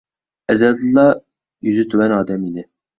ئەزەلدىنلا يۈزى تۆۋەن ئادەم ئىدى.